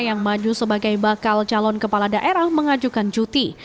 yang maju sebagai bakal calon kepala daerah mengajukan cuti